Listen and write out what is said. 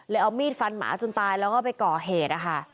เลยเอามีดฟันหมาจนตายแล้วก็ไปเกาะเหตุอ่ะค่ะ